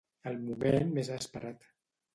El moment més esperat.